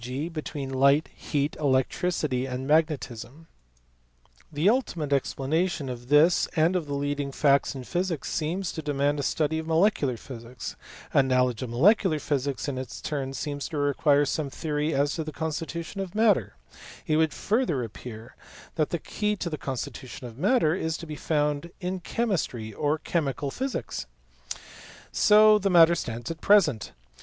g. between light, heat, electricity, and magnetism. The ultimate explanation of this and of the leading facts in physics seems to demand a study of molecular physics; a knowledge of molecular physics in its turn seems to require some theory as to the constitution of matter; it would further appear that the key to the constitu tion of matter is to be found in chemistry or chemical physics. So the matter stands at present.